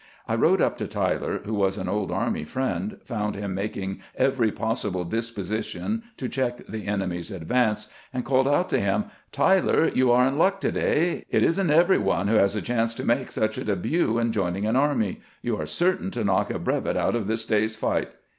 I rode up to Tyler, who was an old army friend, found him making every possible disposition to check the enemy's advance, and called out to him :" Tyler, you are in luck to day. It is n't every one who has a chance to make such a debut on joining an army. You are certain to knock a brevet out of this day's fight."